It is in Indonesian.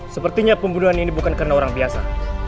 sepertinya pembunuhan ini bukan karena orang biasa